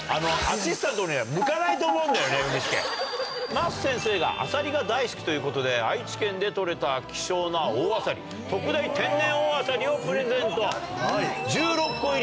桝先生があさりが大好きということで愛知県で採れた希少な大あさり特大・天然大あさりをプレゼント。